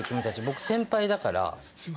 僕先輩だから。